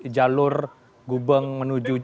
jalur gubeng menuju